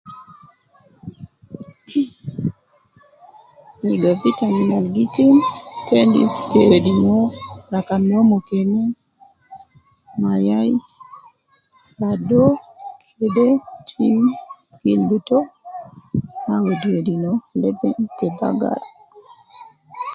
Khi ligo vitamin al gi tim, tendis te wedi no, rakab no mukene, mayayi radoo kede tim gildu too ma wedi wedi no Leben ta bagara.